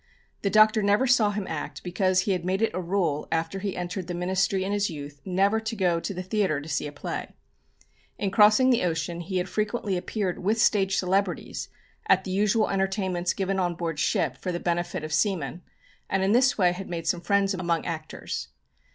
The Doctor never saw him act because he had made it a rule after he entered the ministry in his youth never to go to the theatre to see a play. In crossing the ocean he had frequently appeared with stage celebrities, at the usual entertainments given on board ship for the benefit of seamen, and in this way had made some friends among actors.